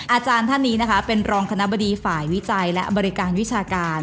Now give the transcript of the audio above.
อาจารย์ท่านนี้นะคะเป็นรองคณะบดีฝ่ายวิจัยและบริการวิชาการ